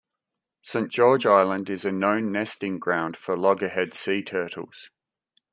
Saint George Island is a known nesting ground for loggerhead sea turtles.